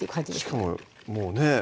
しかももうね